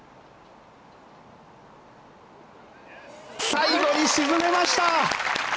最後に沈めました！